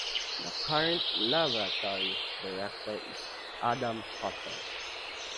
The current Laboratory Director is Adam Hutter.